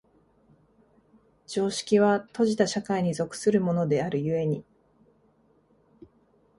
常識は閉じた社会に属するものである故に、